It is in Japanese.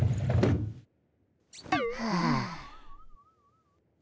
はあ。